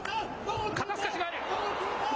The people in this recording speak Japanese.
肩すかしがある。